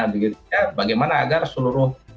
begitunya bagaimana agar seluruh